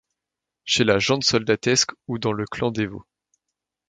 Chez-la gent soldatesque ou dans le clan dévot !